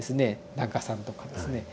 檀家さんとかですね